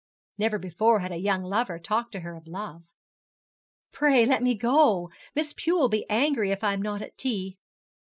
Never before had a young lover talked to her of love. 'Pray let me go. Miss Pew will be angry if I am not at tea.'